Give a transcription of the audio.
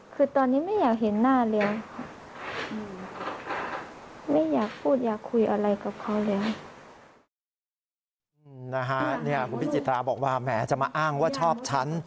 คือคุณพิจิตราบอกว่าแหมจะมาอ้างว่าชอบฉัน